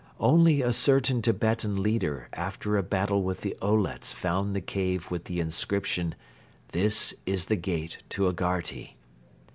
Only a certain Tibetan leader after a battle with the Olets found the cave with the inscription: 'This is the gate to Agharti.